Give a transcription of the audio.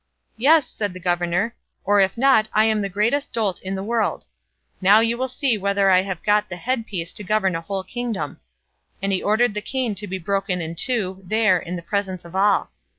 "Yes," said the governor, "or if not I am the greatest dolt in the world; now you will see whether I have got the headpiece to govern a whole kingdom;" and he ordered the cane to be broken in two, there, in the presence of all.